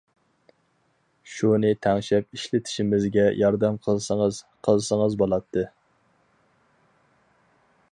شۇنى تەڭشەپ ئىشلىتىشىمىزگە ياردەم قىلسىڭىز قىلسىڭىز بولاتتى.